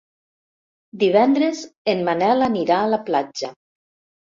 Divendres en Manel anirà a la platja.